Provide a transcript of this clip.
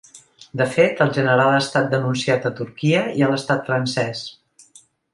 De fet, el general ha estat denunciat a Turquia i a l’estat francès.